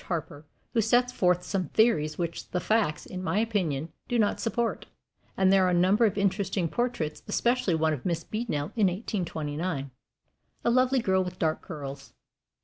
Harper, who sets forth some theories which the facts, in my opinion, do not support; and there are a number of interesting portraits, especially one of Miss Beadnell in 1829 a lovely girl with dark curls.